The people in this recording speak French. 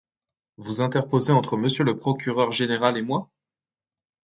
vous interposer entre monsieur le procureur général et moi ?…